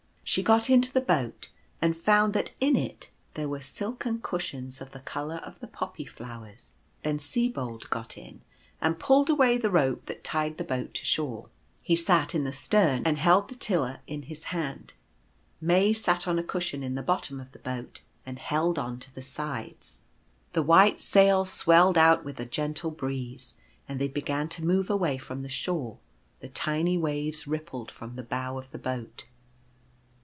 She got into the boat and found that in it there were silken cushions of the colour of the Poppy flowers. Then Sibold got in, and pulled away the rope that tied the boat to shore. He sat in the stern, and held the tiller in his hand ; May sat on a cushion in the bottom of the boat, and held on to the sides. i;o Over the Sea. The white sails swelled out with a gentle breeze, and they began to move away from the shore ; the tiny waves rippled from the bow of the boat.